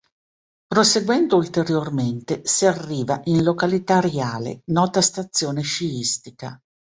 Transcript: Proseguendo ulteriormente, si arriva in località Riale, nota stazione sciistica.